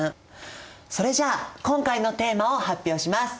それじゃあ今回のテーマを発表します！